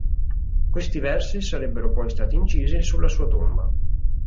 Questi versi sarebbero poi stati incisi sulla sua tomba.